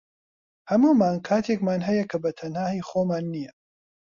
هەموومان کاتێکمان هەیە کە بەتەنها هی خۆمان نییە